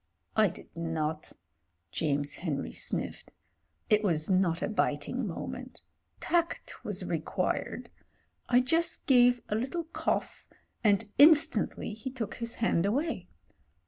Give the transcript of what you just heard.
"I did not" James Henry sniffed. "It was not a biting moment. Tact was required. I just gave a little cough, and instantly he took his hand away.